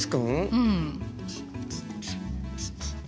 うん。